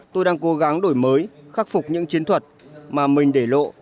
tôi đang cố gắng đổi mới khắc phục những chiến thuật mà mình để lộ